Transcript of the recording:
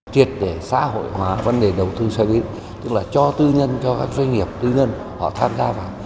triệt để xã hội hóa vấn đề đầu tư xoay bít tức là cho tư nhân cho các doanh nghiệp tư nhân họ tham gia vào